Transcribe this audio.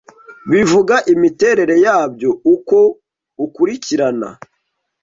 bivuga imiterere yabyo uko ukurikirana